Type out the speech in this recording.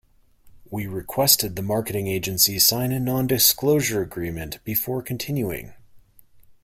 We requested the marketing agency sign a non-disclosure agreement before continuing.